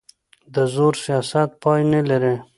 د زور سیاست پای نه لري